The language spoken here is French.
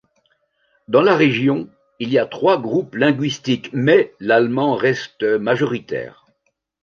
Dans la région, il y a trois groupes linguistiques, mais l'allemand reste majoritaire.